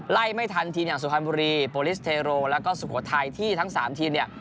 ไม่ทันทีมอย่างสุพรรณบุรีโปรลิสเทโรแล้วก็สุโขทัยที่ทั้งสามทีมเนี่ย